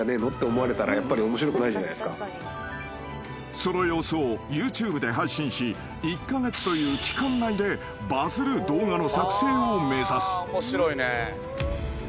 ［その様子をＹｏｕＴｕｂｅで配信し１カ月という期間内でバズる動画の作成を目指す］